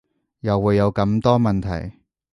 又會有咁多問題